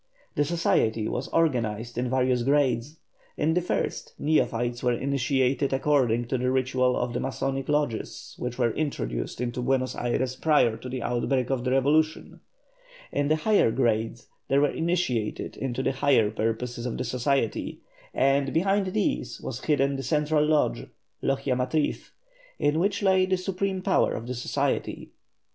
The society was organised in various grades; in the first, neophytes were initiated according to the ritual of the Masonic lodges which were introduced into Buenos Ayres prior to the outbreak of the revolution; in the higher grades they were initiated into the higher purposes of the society, and behind these was hidden the central lodge (Logia Matriz), in which lay the supreme power of the society.